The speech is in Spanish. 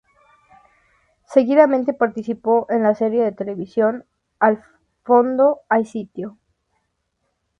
Seguidamente, participó en la serie de televisión "Al fondo hay sitio".